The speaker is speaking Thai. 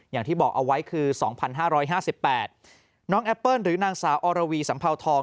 อย่างที่บอกเอาไว้คือ๒๕๕๘น้องแอปเปิ้ลหรือนางสาวอรวีสัมเภาทอง